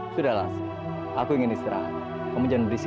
sudahlah aku ingin istirahat kamu jangan berisik deh